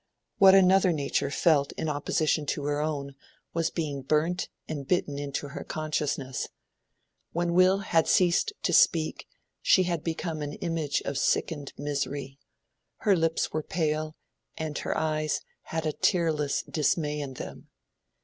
What another nature felt in opposition to her own was being burnt and bitten into her consciousness. When Will had ceased to speak she had become an image of sickened misery: her lips were pale, and her eyes had a tearless dismay in them.